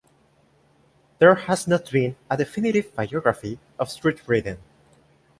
There has not been a definitive biography of Treat written.